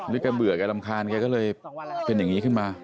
แกเบื่อแกรำคาญแกก็เลยเป็นอย่างนี้ขึ้นมา